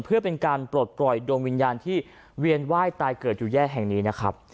เพื่อเป็นการปลดปล่อยดวงวิญญาณที่เวียนไหว้ตายเกิดอยู่แยกแห่งนี้นะครับ